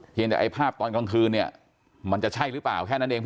แต่ไอ้ภาพตอนกลางคืนเนี่ยมันจะใช่หรือเปล่าแค่นั้นเอง